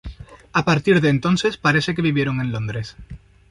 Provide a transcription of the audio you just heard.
A partir de entonces, parece que vivieron en Londres.